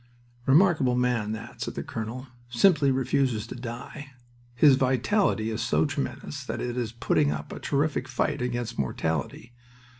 "Remarkable man, that," said the colonel. "Simply refuses to die. His vitality is so tremendous that it is putting up a terrific fight against mortality...